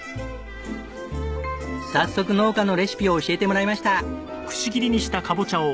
早速農家のレシピを教えてもらいました！